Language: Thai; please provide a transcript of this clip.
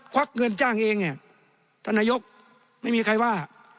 วักเงินจ้างเองเนี่ยท่านนายกไม่มีใครว่า